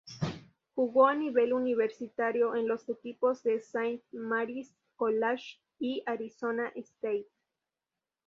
Jugó a nivel universitario en los equipos de Saint Mary's College y Arizona State.